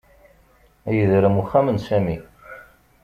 Yedrem uxxam n Sami